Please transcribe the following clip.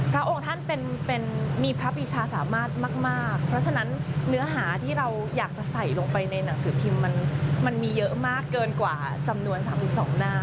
พระองค์ท่านเป็นมีพระปีชาสามารถมากเพราะฉะนั้นเนื้อหาที่เราอยากจะใส่ลงไปในหนังสือพิมพ์มันมีเยอะมากเกินกว่าจำนวน๓๒หน้า